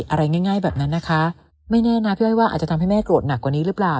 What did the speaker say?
อะไรง่ายแบบนั้นนะคะไม่แน่นะพี่อ้อยว่าอาจจะทำให้แม่โกรธหนักกว่านี้หรือเปล่า